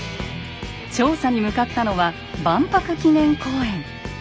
調査に向かったのは万博記念公園。